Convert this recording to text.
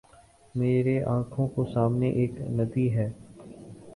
میرے آنکھوں کو سامنے ایک ندی ہے